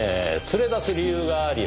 連れ出す理由があり